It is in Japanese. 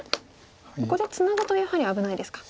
ここでツナぐとやはり危ないですか。